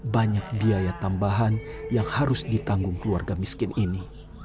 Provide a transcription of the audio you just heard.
banyak biaya tambahan yang harus ditanggung keluarga miskin ini